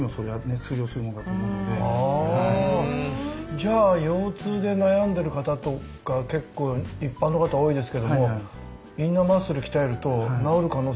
じゃあ腰痛で悩んでる方とか結構一般の方多いですけどもインナーマッスル鍛えると治る可能性は出てくるんですね。